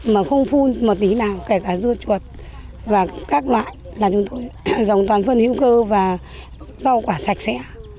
mà không phun một tí nào kể cả dưa chuột và các loại là chúng tôi dòng toàn phân hữu cơ và rau quả sạch sẽ